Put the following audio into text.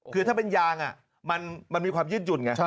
คือถ้าเป็นยางมันมีความยืดหยุ่นไง